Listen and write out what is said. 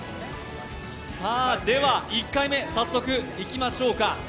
では１回目、早速いきましょうか。